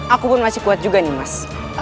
aku pun masih kuat juga nih mas